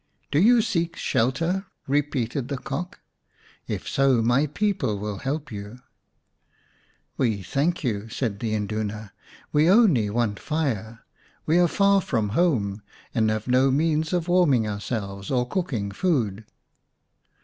"Do you seek shelter?" repeated the Cock. " If so, my people will help you." 134 xi The Cock's Kraal " We thank you," said the Induna ;" we only want fire. We are far from home, and have no means of warming ourselves or cooking food."